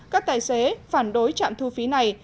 các tài xế phản đối trạm thu phí này